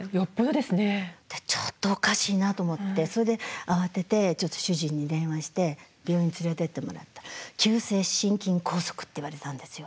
でちょっとおかしいなと思ってそれで慌ててちょっと主人に電話して病院連れてってもらったら急性心筋梗塞って言われたんですよ。